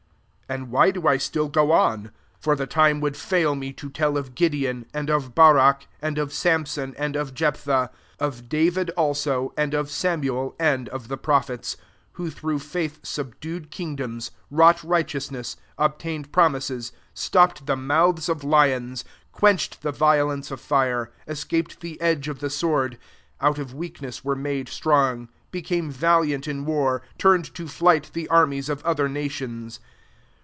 32 And why do I still go on ? for the lime would fail me to tell of Gideon, and of Barak, and of Sampson, and of Jeph thah ; of David also, and of Sa muel, and of the prophets : 33 who through faith subdued kingdoms, wrought righteous ness, obtained promises,, stop ped the mouths of lions, 34 quenched the violence of fire, escaped the edge of the sword, out of weakness were made strong, became valiant in war, turned to flight the armies of other nations.